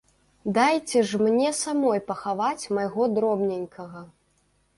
Дайце ж мне самой пахаваць майго дробненькага.